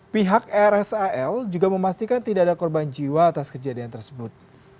pihak rsal juga memastikan tidak ada korban jiwa atas kejadian tersebut